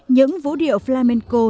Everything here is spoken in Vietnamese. những vũ điệu flamenco